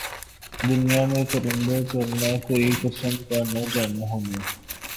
دنیا میں پرند کرنا کوئی قسم پانا جانا ہونا